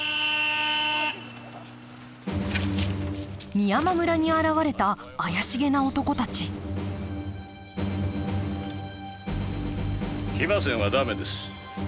美山村に現れた怪しげな男たち騎馬戦は駄目です。